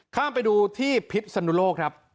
ข้ามไปดูที่พิษสนุโลกครับ